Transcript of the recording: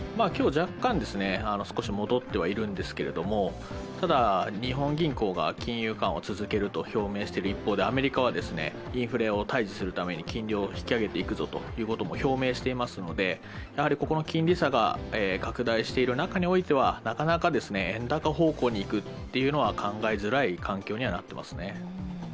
今日、少し戻ってはいるんですけれども、ただ、日本銀行が金融緩和を続けると表明している一方でアメリカはインフレを対峙するために金利を引き上げていくことも表明していますので、ここの金利差が拡大している中においてはなかなか円高方向に行くというのは考えづらい環境にはなってますね。